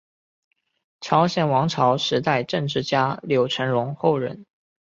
朝鲜王朝时代政治家柳成龙后人。